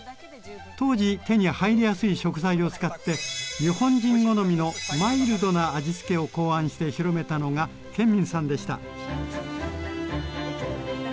当時手に入りやすい食材を使って日本人好みのマイルドな味つけを考案して広めたのが建民さんでした。